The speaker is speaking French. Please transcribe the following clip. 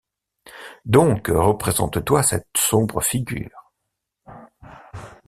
Donc, représente-toi cette sombre figure :